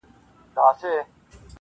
نن سبا به نه یم زمانې راپسی مه ګوره -